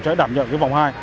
sẽ đảm nhận cái vòng hai